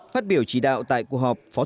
phát biểu chỉ đạo tại cuộc họp